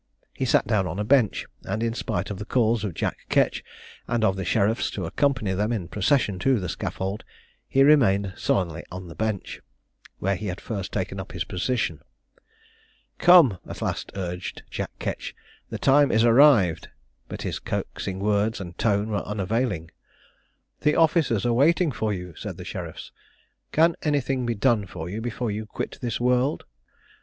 He sat down on a bench, and in spite of the calls of Jack Ketch, and of the sheriffs to accompany them in procession to the scaffold, he remained sullenly on the bench, where he had first taken up his position. "Come," at last urged Jack Ketch, "the time is arrived;" but his coaxing words and tone were unavailing. "The officers are waiting for you," said the sheriffs; "can anything be done for you before you quit this world?"